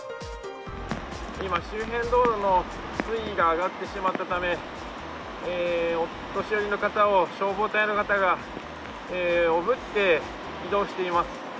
今、周辺道路の水位が上がってしまったためお年寄りの方を消防隊の方がおぶって移動しています。